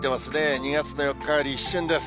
２月の４日より立春です。